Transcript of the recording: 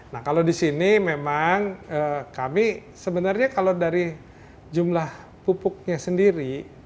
nah kalau di sini memang kami sebenarnya kalau dari jumlah pupuknya sendiri